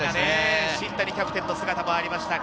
新谷キャプテンの姿もありました。